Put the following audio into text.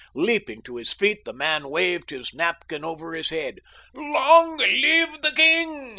Leaping to his feet the man waved his napkin above his head. "Long live the king!"